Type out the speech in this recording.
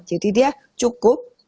jadi dia cukup